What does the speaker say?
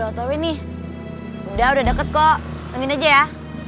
atau apapun kabar lagi mas ya